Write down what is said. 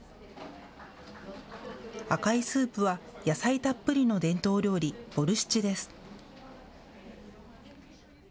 赤いスープは野菜たっぷりの伝統料理、ボルシチです。